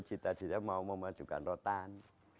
cita cita mau memajukan rotan